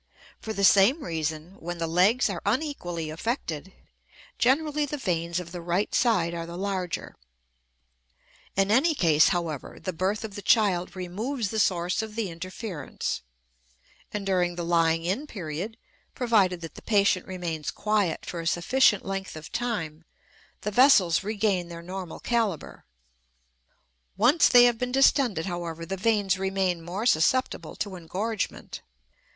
For the same reason when the legs are unequally affected, generally the veins of the right side are the larger. In any case, however, the birth of the child removes the source of the interference, and during the lying in period, provided that the patient remains quiet for a sufficient length of time, the vessels regain their normal caliber. Once they have been distended, however, the veins remain more susceptible to engorgement.